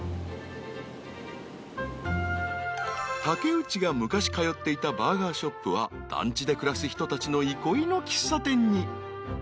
［竹内が昔通っていたバーガーショップは団地で暮らす人たちの憩いの喫茶店に］